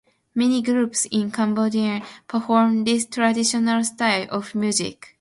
Many groups in Colombia perform this traditional style of music.